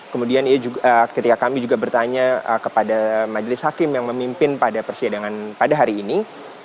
kemudian ketika kami juga bertanya kepada majelis hakim yang memimpin pada persidangan pada hari ini